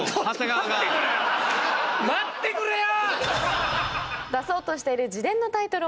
待ってくれよ！